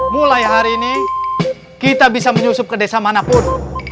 mulai hari ini kita bisa menyusup ke desa manapun